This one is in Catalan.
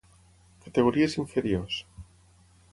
Categories inferiors.